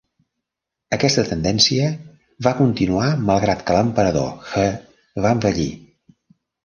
Aquesta tendència va continuar malgrat que l"emperador He va envellir.